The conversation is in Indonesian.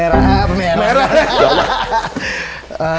merah apa ya merah hahaha